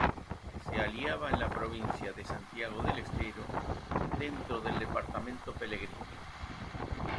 Se hallaba en la provincia de Santiago del Estero, dentro del Departamento Pellegrini.